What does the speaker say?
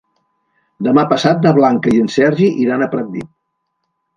Demà passat na Blanca i en Sergi iran a Pratdip.